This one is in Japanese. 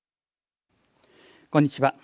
こんにちは。